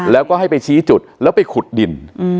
แล้วก็ให้ไปชี้จุดแล้วไปขุดดิน